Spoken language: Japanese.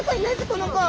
この子。